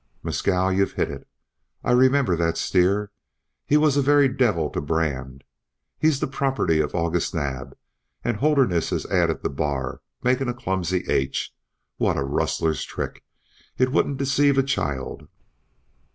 "Mescal! You've hit it. I remember that steer. He was a very devil to brand. He's the property of August Naab, and Holderness has added the bar, making a clumsy H. What a rustler's trick! It wouldn't deceive a child."